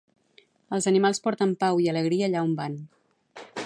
Els animals porten pau i alegria allà on van.